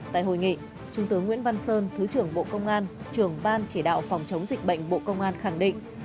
tại hội nghị trung tướng nguyễn văn sơn thứ trưởng bộ công an trưởng ban chỉ đạo phòng chống dịch bệnh bộ công an khẳng định